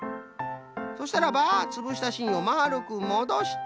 そしたらばつぶしたしんをまるくもどして。